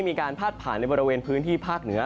มีการพาดผ่านในบริเวณพื้นที่ภาคเหนือ